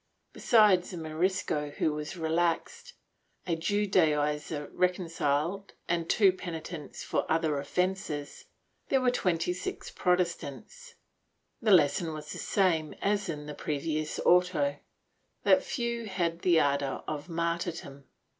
^ Besides a Morisco who was relaxed, a Judaizer recon ciled and two penitents for other offences, there were twenty six Protestants. The lesson was the same as in the previous auto, that few had the ardor of martyrdom.